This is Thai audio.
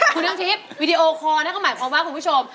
คุณยังเทปวิดีโอคอร์นะก็หมายความว่าคุณผู้ชม